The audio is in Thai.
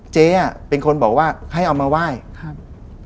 เจ๊เป็นคนใช้เอามาไหว้